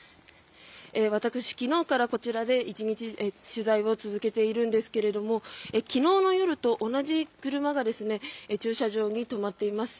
私、昨日からこちらで１日取材を続けているんですが昨日の夜と同じ車が駐車場に止まっています。